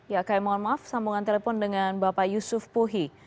ya kami mohon maaf sambungan telepon dengan bapak yusuf puhi